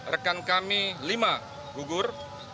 rekan kami lima gugur